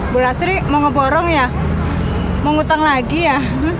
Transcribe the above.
pas ya bu uangnya